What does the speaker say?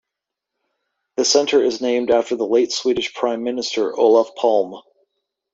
The center is named after the late Swedish Prime Minister Olof Palme.